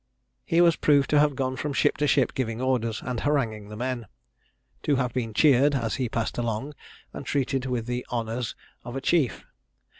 He was proved to have gone from ship to ship giving orders, and haranguing the men to have been cheered as he passed along, and treated with the honours of a chief.